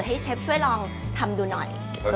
เชฟช่วยลองทำดูหน่อย